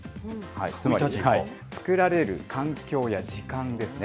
つまり作られる環境や時間ですね。